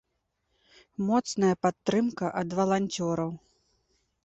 Моцная падтрымка ад валанцёраў.